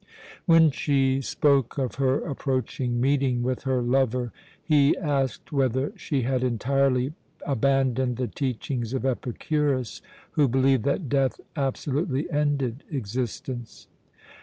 When she spoke of her approaching meeting with her lover, he asked whether she had entirely abandoned the teachings of Epicurus, who believed that death absolutely ended existence.